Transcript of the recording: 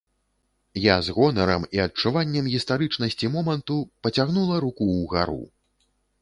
Я з гонарам і адчуваннем гістарычнасці моманту пацягнула руку ўгару.